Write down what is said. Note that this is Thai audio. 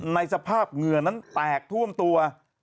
ในสภาพเหงื่อนั้นแตกท่วมตัว